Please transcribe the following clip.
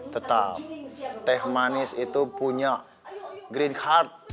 tetap teh manis itu punya green heart